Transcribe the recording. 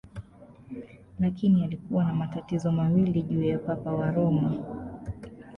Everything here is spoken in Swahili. Lakini alikuwa na matatizo mawili juu ya Papa wa Roma.